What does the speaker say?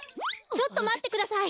ちょっとまってください。